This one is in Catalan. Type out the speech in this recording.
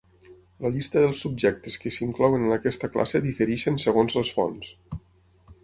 La llista dels subjectes que s'inclouen en aquesta classe difereixen segons les fonts.